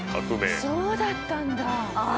そうだったんだ。